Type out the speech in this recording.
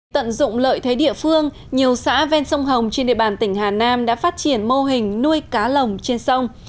tận dụng lợi thế địa phương nhiều xã ven sông hồng trên địa bàn tỉnh hà nam đã phát triển mô hình nuôi cá lồng trên sông